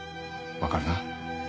わかるな？